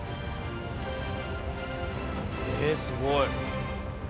えーすごい。